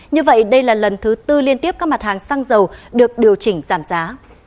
như vậy đây là lần thứ tư liên tiếp các mặt hàng xăng dầu được điều chỉnh giảm giá